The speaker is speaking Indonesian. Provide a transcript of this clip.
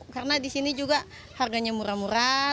karena di sini juga harganya murah murah